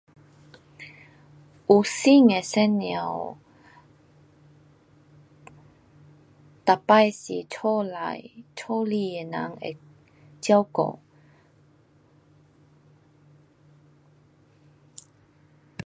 有身的妇女，每次是家内，家里的人会照顾。